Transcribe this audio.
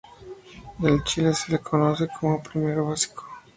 En Chile se le conoce como primero básico.